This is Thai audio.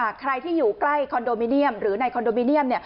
ใครที่อยู่ใกล้คอนโดมิเนียมหรือในคอนโดมิเนียม